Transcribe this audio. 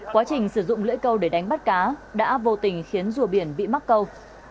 quá trình sử dụng lưỡi câu để đánh bắt cá đã vô tình khiến rùa biển bị mắc câu